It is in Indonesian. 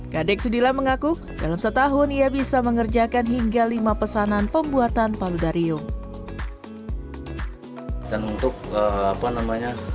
kadek sudila mengaku dalam setahun ia bisa mengerjakan hingga lima pesanan pembuatan paludarium